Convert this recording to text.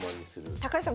高橋さん